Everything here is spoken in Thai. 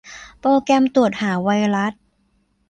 โปรแกรมตรวจหาไวรัส